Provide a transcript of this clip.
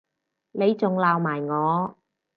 你仲鬧埋我